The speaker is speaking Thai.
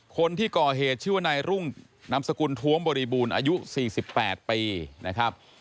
คนที่ก่อเหตุชื่อว่านายรุ่งนามสกุลท้วงบริบูรณ์อายุ๔๘ปีนะครับ